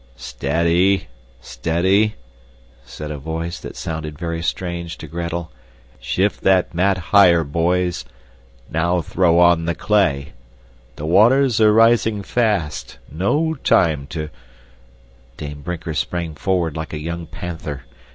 "Steady! Steady!" said a voice that sounded very strange to Gretel. "Shift that mat higher, boys! Now throw on the clay. The waters are rising fast; no time to " Dame Brinker sprang forward like a young panther.